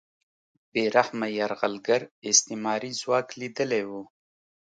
بې رحمه یرغلګر استعماري ځواک لیدلی و